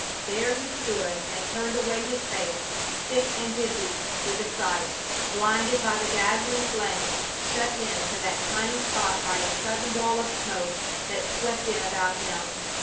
There he stood and turned away his face, sick and dizzy with the sight, blinded by the dazzling flames, shut in to that tiny spot by a sudden wall of smoke that swept in about him.